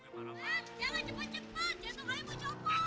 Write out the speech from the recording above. bang jangan cepat cepat jatuh air mau copot